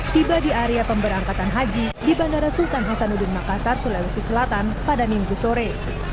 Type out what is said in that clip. tiba di area pemberangkatan haji di bandara sultan hasanuddin makassar sulawesi selatan pada minggu sore